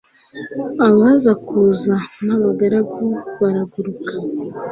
abaza kuza n'abagaragu barunguruka